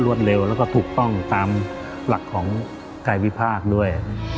รวดเร็วแล้วก็ปลูกก้องตามหลักของละลิข้าววิทยาภาคด้วย